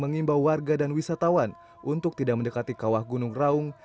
mengimbau warga dan wisatawan untuk tidak mendekati kawah gunung raung